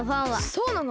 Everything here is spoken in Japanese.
そうなの？